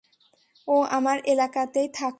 ও আমার এলাকাতেই থাকত।